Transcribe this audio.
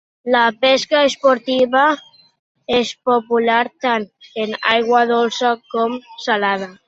La pesca esportiva és popular tant en aigua dolça com salada.